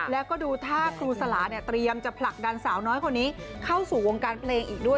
แล้วก็ดูท่าครูสลาเนี่ยเตรียมจะผลักดันสาวน้อยคนนี้เข้าสู่วงการเพลงอีกด้วย